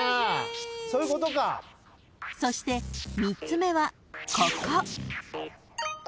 ［そして３つ目はここ］